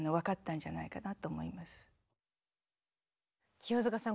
清塚さん